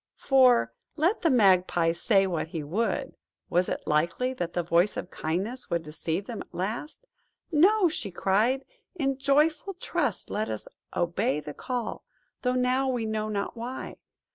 For, let the Magpie say what he would, was it likely that the voice of Kindness would deceive them at last? "No!" cried she; "in joyful trust let us obey the call, though now we know not why.